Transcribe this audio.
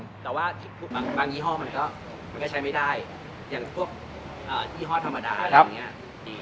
แต่ว่าบางยี่ห้อมันก็ใช้ไม่ได้อย่างพวกยี่ห้อธรรมดาอะไรอย่างนี้ดี